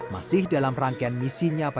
masih dalam rangkaian misinya